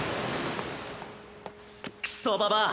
クソババア！